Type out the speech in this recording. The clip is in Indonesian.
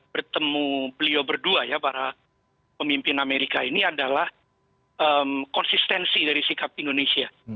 bertemu beliau berdua ya para pemimpin amerika ini adalah konsistensi dari sikap indonesia